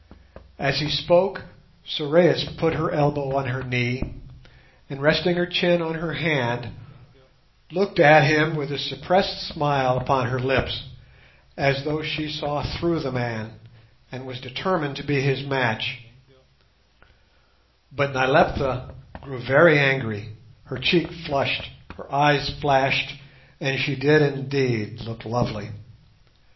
As he spoke, Sorais put her elbow on her knee, and, resting her chin on her hand, looked at him with a suppressed smile upon her lips, as though she saw through the man, and was determined to be his match; but Nyleptha grew very angry, her cheek flushed, her eyes flashed, and she did indeed look lovely.